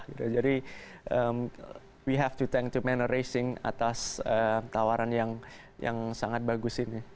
jadi kita harus berterima kasih kepada tim mener racing atas tawaran yang sangat bagus ini